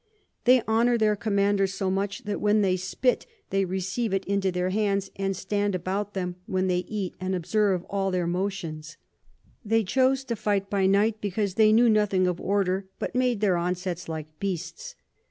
They honour their Commanders so much, that when they spit they receive it into their hands, stand about them when they eat, and observe all their Motions. They chose to fight by night, because they knew nothing of Order, but made their Onsets like Beasts.